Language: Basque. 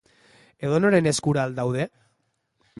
Edonoren eskura al daude?